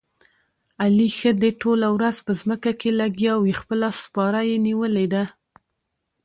علي ښه دې ټوله ورځ په ځمکه کې لګیاوي، خپله سپاره یې نیولې ده.